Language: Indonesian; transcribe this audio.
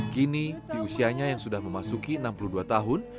kini di usianya yang sudah memasuki enam puluh dua tahun